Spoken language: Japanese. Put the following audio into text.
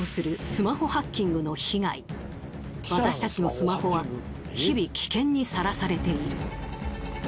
近年私たちのスマホは日々危険にさらされている。